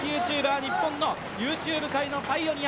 日本のＹｏｕＴｕｂｅ界のパイオニア。